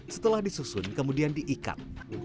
setelah disusun kemudian diikat